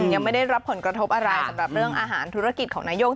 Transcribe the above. ยังไม่ได้รับผลกระทบอะไรสำหรับเรื่องอาหารธุรกิจของนายก